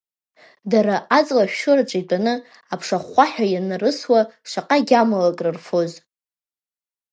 Дара аҵла ашәшьыраҿы итәаны, аԥша ахәхәаҳәа инарысуа, шаҟа гьамала крырфоз!